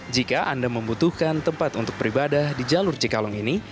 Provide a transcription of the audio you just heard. jika anda membutuhkan tempat untuk beribadah di jalur cikalong ini